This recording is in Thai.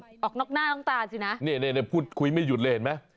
องค์นอกหน้าต้องตาสินะพูดคุยไม่หยุดเลยเห็นมั้ย